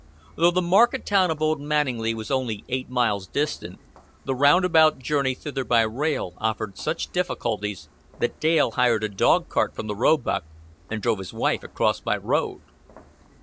Though the market town of Old Manninglea was only eight miles distant, the roundabout journey thither by rail offered such difficulties that Dale hired a dog cart from the Roebuck and drove his wife across by road.